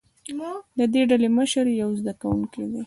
د دې ډلې مشر یو زده کوونکی دی.